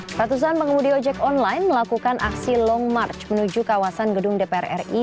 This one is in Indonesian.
hai ratusan pengemudi ojek online melakukan aksi long march menuju kawasan gedung dpr ri